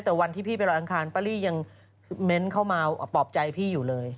แต่วันที่พี่ไปลอยอังคารป้ารี่ยังเม้นต์เข้ามาปลอบใจพี่อยู่เลย